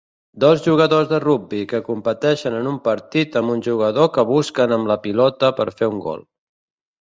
Dos jugadors de rugbi que competeixen en un partit amb un jugador que busquen amb la pilota per fer un gol.